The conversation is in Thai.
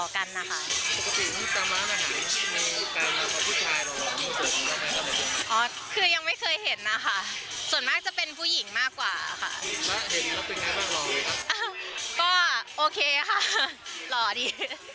ก็โอเคค่ะหล่อดี